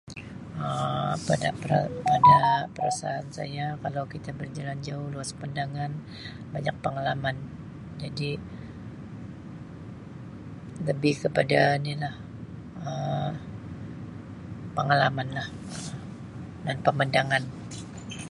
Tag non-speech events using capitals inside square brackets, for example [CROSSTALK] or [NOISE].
Um Pada [NOISE] Pada perasaan saya kalau kita berjalan jauh luas pandangan banyak pengalaman jadi lebih kepada nilah Um pangalaman lah dan pemandangan.